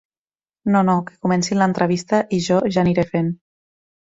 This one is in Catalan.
No, no, que comencin l'entrevista i jo ja aniré fent.